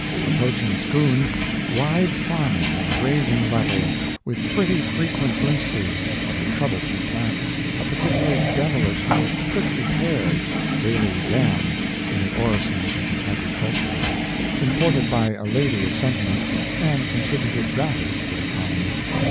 Approaching Scone, wide farming and grazing levels, with pretty frequent glimpses of a troublesome plant a particularly devilish little prickly pear, daily damned in the orisons of the agriculturist; imported by a lady of sentiment, and contributed gratis to the colony.